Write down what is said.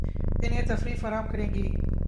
انھیں تفریح فراہم کریں گی